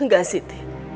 gak sih t